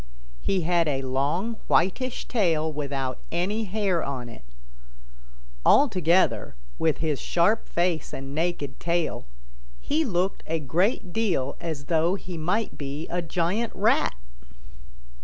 He had a long whitish tail without any hair on it. Altogether, with his sharp face and naked tail, he looked a great deal as though he might be a giant Rat.